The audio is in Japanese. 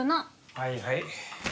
はいはい。